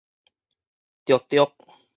著著